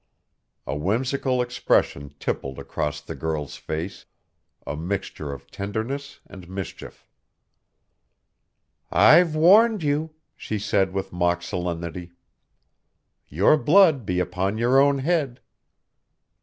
A whimsical expression tippled across the girl's face, a mixture of tenderness and mischief. "I've warned you," she said with mock solemnity. "Your blood be upon your own head."